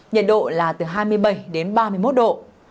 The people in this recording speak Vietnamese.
nhiệt độ là từ hai mươi bảy đến ba mươi một độ